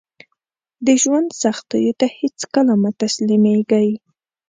د ژوند سختیو ته هیڅکله مه تسلیمیږئ